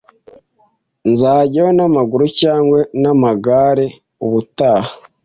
Nzajyayo n'amaguru cyangwa n'amagare ubutaha